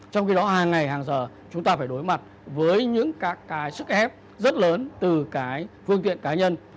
trong khi đó hàng ngày hàng giờ chúng ta phải đối mặt với những cái sức ép rất lớn từ cái phương tiện cá nhân